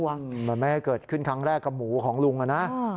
มันไม่ให้เกิดขึ้นครั้งแรกกับหมูของลุงนะ